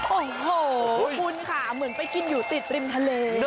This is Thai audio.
โอ้โหคุณค่ะเหมือนไปกินอยู่ติดริมทะเล